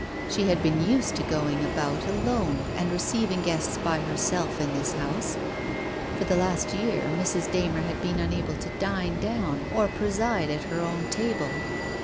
She had been used to going about alone and receiving guests by herself in this house; for the last year Mrs. Darner had been unable to dine down or pre side at her own table.